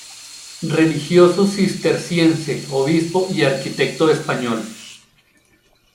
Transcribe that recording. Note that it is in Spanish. Religioso cisterciense, obispo y arquitecto español.